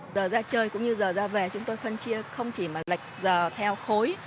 giờ ra chơi cũng như giờ ra về chúng tôi phân chia không chỉ mà lệch giờ theo khối